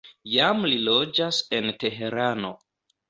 Jam li loĝas en Teherano.